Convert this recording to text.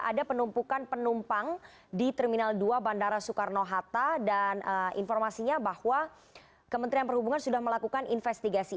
ada penumpukan penumpang di terminal dua bandara soekarno hatta dan informasinya bahwa kementerian perhubungan sudah melakukan investigasi